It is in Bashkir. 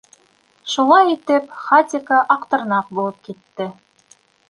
Шулай итеп, Хатико-Аҡтырнаҡ булып китте.